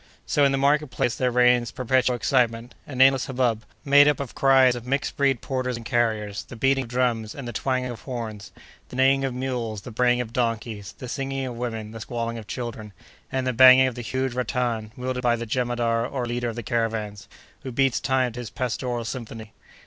So in the market place there reigns perpetual excitement, a nameless hubbub, made up of the cries of mixed breed porters and carriers, the beating of drums, and the twanging of horns, the neighing of mules, the braying of donkeys, the singing of women, the squalling of children, and the banging of the huge rattan, wielded by the jemadar or leader of the caravans, who beats time to this pastoral symphony.